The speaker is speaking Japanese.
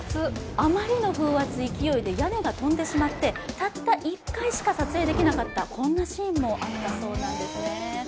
あまりの風圧、勢いで屋根が飛んでしまってたった１回しか撮影できなかった、こんなシーンもあったそうなんですね。